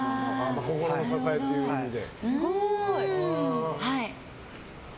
心の支えという意味で。